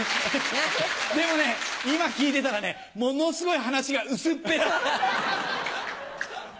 でもね今聞いてたらねものすごい話が薄っぺらい。